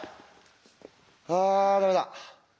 あダメだ。